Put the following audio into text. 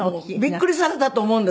びっくりされたと思うんです。